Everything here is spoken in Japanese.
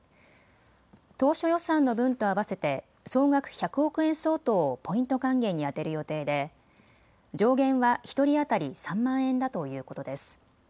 当初予算の分と合わせて総額１００億円相当をポイント還元に充てる予定で上限は１人当たり３万円だということです。